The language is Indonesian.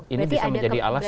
ini bisa menjadi alasan